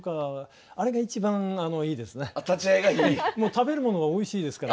食べるものがおいしいですから。